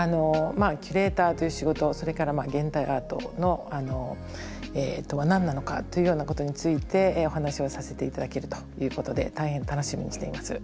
キュレーターという仕事それから現代アートとは何なのかというようなことについてお話をさせて頂けるということで大変楽しみにしています。